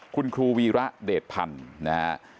คุณครูวีระเดชพันธุ์นะฮะ